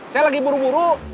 saya lagi buru buru